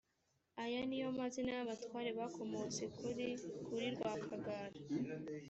aya ni yo mazina y’ abatware bakomotse kuri kuri rwakagara